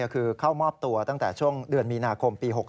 คือเข้ามอบตัวตั้งแต่ช่วงเดือนมีนาคมปี๖๖